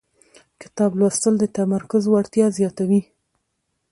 کتاب لوستل د تمرکز وړتیا زیاتوي